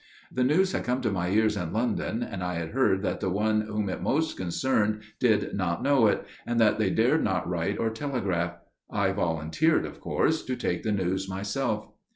The news had come to my ears in London, and I had heard that the one whom it most concerned did not know it––and that they dared not write or telegraph. I volunteered of course to take the news myself.